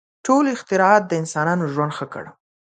• ټول اختراعات د انسانانو ژوند ښه کړ.